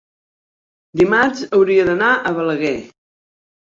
dimarts hauria d'anar a Balaguer.